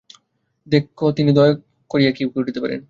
দেখি তিনি দয়া করিয়া কি করিতে পারেন!